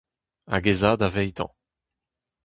Hag ez a davetañ.